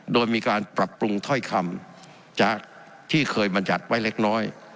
โดยมีการปรับปรุงถ้อยคำจากที่เคยบรรยัติไว้เล็กน้อย